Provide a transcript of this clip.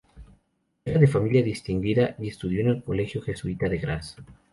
Era de familia distinguida y estudió en el colegio jesuita de Graz.